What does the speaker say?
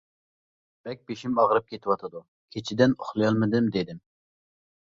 بەك بېشىم ئاغرىپ كېتىۋاتىدۇ كېچىدىن ئۇخلىيالمىدىم دېدىم.